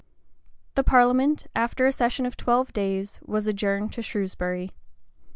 [*] The parliament, after a session of twelve days, was adjourned to Shrewsbury.